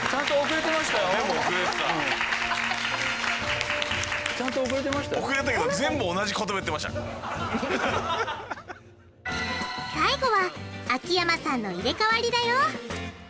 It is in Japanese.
遅れたけど最後は秋山さんの入れかわりだよ！